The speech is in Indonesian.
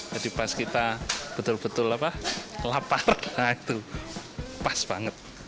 jadi pas kita betul betul lapar pas banget